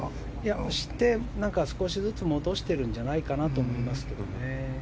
少しずつ戻してるんじゃないかと思いますけどね。